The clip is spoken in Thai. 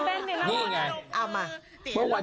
อันนี้จอยฮี่บอยมาทำ